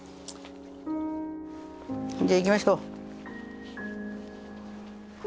じゃ行きましょう。